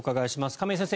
亀井先生